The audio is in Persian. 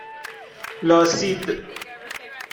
لاسید